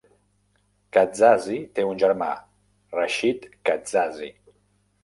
Kazzazi té un germà, Rachid Kazzazi.